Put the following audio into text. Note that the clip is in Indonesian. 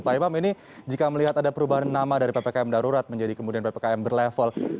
pak imam ini jika melihat ada perubahan nama dari ppkm darurat menjadi kemudian ppkm berlevel